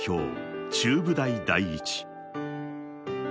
・中部大第一。